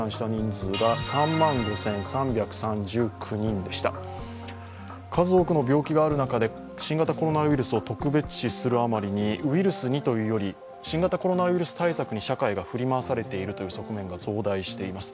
数多くの病気がある中で、新型コロナウイルスを特別視するあまりにウイルスにというより新型コロナウイルス対策に社会が振り回されているという側面が増大しています。